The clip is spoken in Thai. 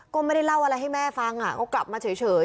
ก็ไม่ได้เล่าอะไรให้แม่ฟังก็กลับมาเฉย